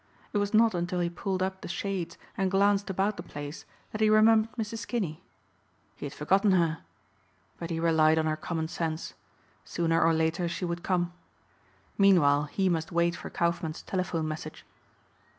It was not until he pulled up the shades and glanced about the place that he remembered Mrs. Kinney. He had forgotten her. But he relied on her common sense. Sooner or later she would come. Meanwhile he must wait for Kaufmann's telephone message.